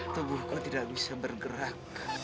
tunggu aku tidak bisa bergerak